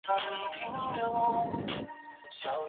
我们到了圆山公园站